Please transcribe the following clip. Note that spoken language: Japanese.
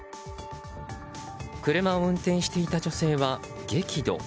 車を運転していた女性は激怒。